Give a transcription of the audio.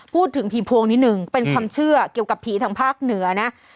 พูดถึงผีพวงนิดนึงเป็นความเชื่อเกี่ยวกับผีทางภาคเหนือนะ